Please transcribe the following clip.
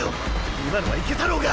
今のはいけたろうが！